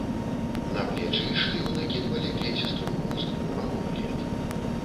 На плечы і шыю накідвалі клецістую хустку або плед.